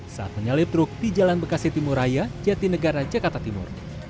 saat menyalip truk di jalan bekasi timuraya jatinegara jakarta timur